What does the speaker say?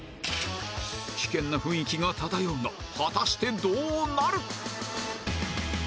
危険な雰囲気が漂うが果たしてどうなる！？